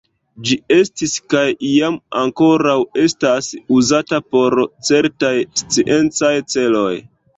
Ĝi estis, kaj iam ankoraŭ estas, uzata por certaj sciencaj celoj.